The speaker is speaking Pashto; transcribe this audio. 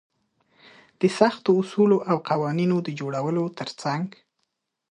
د سختو اصولو او قوانينونو د جوړولو تر څنګ.